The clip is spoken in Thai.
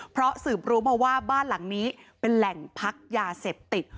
เพราะสืบรู้มาว่าบ้านหลังนี้เป็นแหล่งพักยาเสพติด